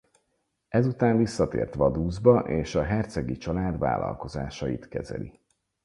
Ezután visszatért Vaduzba és a hercegi család vállalkozásait kezeli.